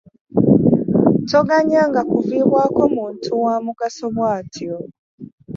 Toganyanga kuviibwako muntu wa mugaso bw'atyo.